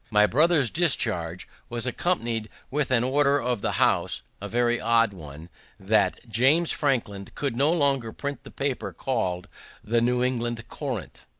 My brother's discharge was accompany'd with an order of the House (a very odd one), that "James Franklin should no longer print the paper called the New England Courant."